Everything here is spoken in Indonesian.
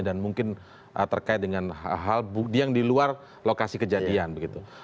dan mungkin terkait dengan hal yang di luar lokasi kejadian begitu